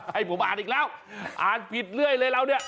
ให้ผมอ่านอีกแล้วอ่านผิดเรื่อยเลยเราเนี่ย